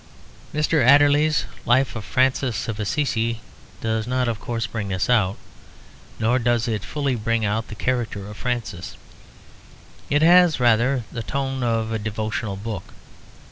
Mr. Adderley's life of Francis of Assisi does not, of course, bring this out; nor does it fully bring out the character of Francis. It has rather the tone of a devotional book.